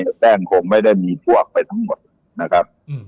แป้งคงไม่ได้มีพวกไปทั้งหมดนะครับ